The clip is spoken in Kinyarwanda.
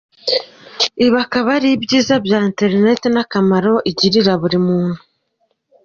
Ibi akaba ari ibyiza bya internet n'akamaro igirira buri muntu.